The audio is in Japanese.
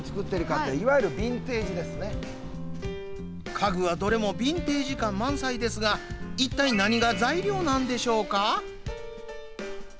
家具はどれもビンテージ感満載ですが一体、何が材料なんでしょうか。